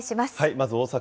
まず大阪。